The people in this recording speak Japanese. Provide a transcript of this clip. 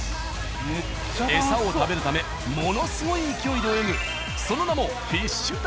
エサを食べるためものすごい勢いで泳ぐその名も踊ってるの？